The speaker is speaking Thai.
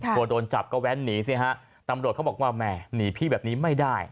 โดนจับก็แว้นหนีสิฮะตำรวจเขาบอกว่าแม่หนีพี่แบบนี้ไม่ได้